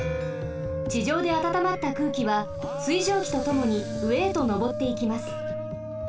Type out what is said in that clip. ちじょうであたたまったくうきは水蒸気とともにうえへとのぼっていきます。